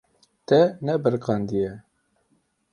Te nebiriqandiye.